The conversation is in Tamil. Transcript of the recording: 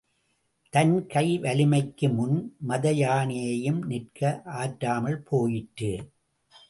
தன் கை வலிமைக்கு முன் மதயானையும் நிற்க ஆற்றாமல் போயிற்று.